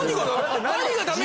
何がダメ？